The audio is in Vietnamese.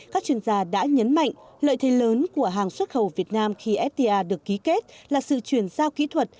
các chuyên gia đã nhấn mạnh lợi thế lớn của hàng xuất khẩu việt nam khi fta được ký kết là sự chuyển giao kỹ thuật